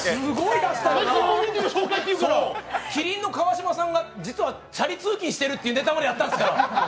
麒麟の川島さんが実はチャリ通勤してるっていうネタまでやったんですから！